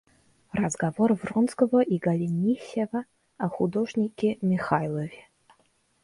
Разговор Вронского и Голенищева о художнике Михайлове.